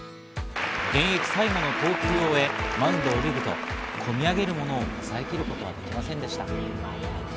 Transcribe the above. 現役最後の投球を終え、マウンドを降りると、こみ上げるものを抑えきれませんでした。